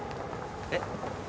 えっ？